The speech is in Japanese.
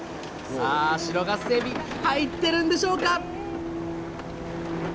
さあ白ガスエビ入ってるんでしょうか！